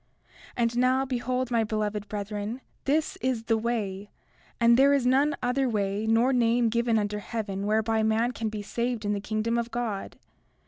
31:21 And now, behold, my beloved brethren, this is the way; and there is none other way nor name given under heaven whereby man can be saved in the kingdom of God.